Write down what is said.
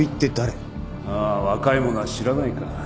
あー若い者は知らないか。